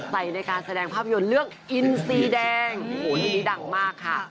ใส่ในการแสดงภาพยนตร์เลือกอินซีแดงโหนี่ดังมากค่ะ